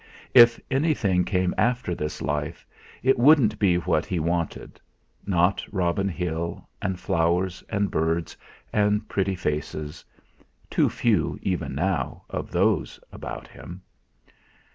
If anything came after this life, it wouldn't be what he wanted; not Robin Hill, and flowers and birds and pretty faces too few, even now, of those about him!